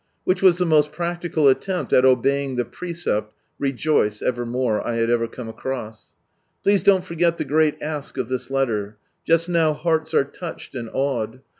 1 1" which was the most practical attempt at obeying the precept "Rejoice evermore" I had ever con>e across. Please don't forget the great "Ask" of this letter. Just now hearts are touched and awed.